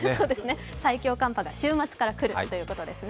最強寒波が週末から来るということですね。